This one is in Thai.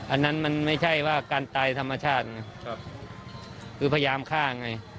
อันนั้นมันไม่ใช่ว่าการตายธรรมชาติไงคือพยายามฆ่าไง